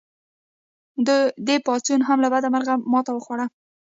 دې پاڅون هم له بده مرغه ماته وخوړه.